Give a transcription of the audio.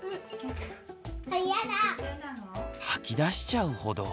吐き出しちゃうほど。